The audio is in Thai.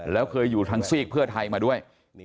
แล้วเคยอยู่ทางซีกเพื่อไทยมาด้วย